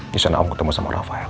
di sana saya ketemu rafael